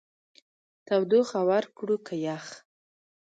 تودوخه ورکړو که يخ؟